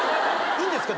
いいんですか？